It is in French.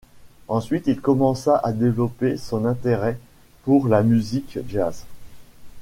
Ensuite, il commença à développer son intérêt pour la musique jazz.